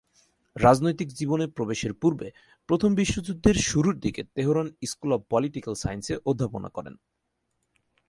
রাজনৈতিক জীবনে প্রবেশের পূর্বে প্রথম বিশ্বযুদ্ধের শুরুর দিকে তেহরান স্কুল অব পলিটিক্যাল সায়েন্সে অধ্যাপনা করেন।